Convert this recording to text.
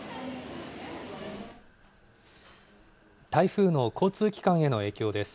台風の交通機関への影響です。